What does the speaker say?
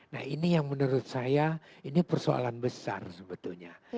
nah ini yang menurut saya ini persoalan besar sebetulnya